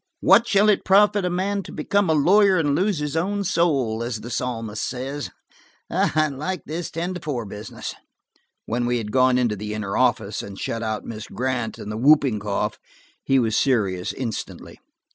"'What shall it profit a man to become a lawyer and lose his own soul?' as the psalmist says. I like this ten to four business." When we had gone into the inner office, and shut out Miss Grant and the whooping cough, he was serious instantly.